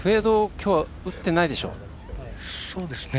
きょう打ってないでしょう。